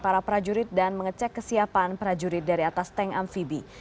para prajurit dan mengecek kesiapan prajurit dari atas tank amfibi